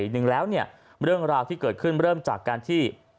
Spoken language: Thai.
หนึ่งแล้วเนี่ยเรื่องราวที่เกิดขึ้นเริ่มจากการที่